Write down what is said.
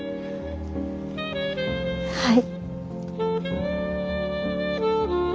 はい。